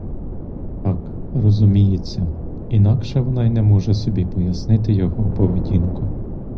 Так, розуміється, інакше вона й не може собі пояснити його поведінку.